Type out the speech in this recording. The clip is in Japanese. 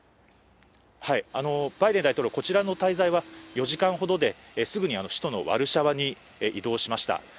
バイデン大統領、こちらの滞在は４時間ほどで、すぐに首都のワルシャワに移動しました。